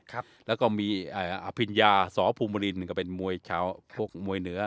ครับแล้วก็มีอภิญญาสอภูมิรินก็เป็นมวยชาวพวกมวยเหนือ